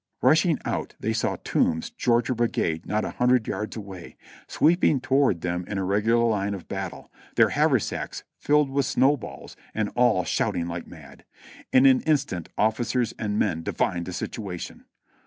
Rush ing out they saw Toombs's Georgia Brigade not a hundred yards away, sweeping toward them in a regular line of battle, their haversacks filled with snow balls and all shouting like mad. In an instant officers and men divined the situation.